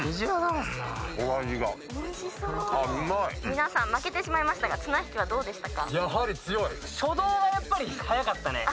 皆さん負けてしまいましたが綱引きはどうでしたか？